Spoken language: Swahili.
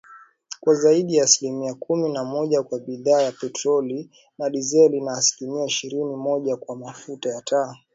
kwa zaidi ya asilimia kumi na moja kwa bidhaa ya petroli na dizeli na asilimia ishirini na moja kwa mafuta ya taa